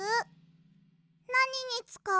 なににつかうの？